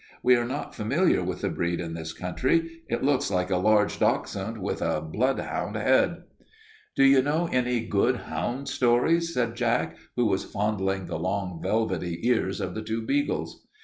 We are not familiar with the breed in this country. It looks like a large dachshund with a bloodhound head." "Do you know any good hound stories?" asked Jack, who was fondling the long, velvety ears of the two beagles.